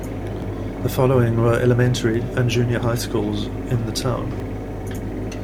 The following were elementary and junior high schools in the town.